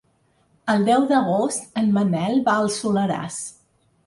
El deu d'agost en Manel va al Soleràs.